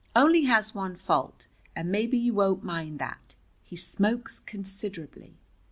Only has one fault, and maybe you won't mind that. He smokes considerably."